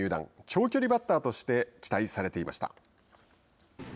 長距離バッターとして期待されていました。